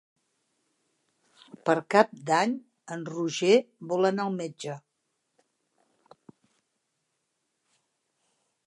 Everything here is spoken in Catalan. Per Cap d'Any en Roger vol anar al metge.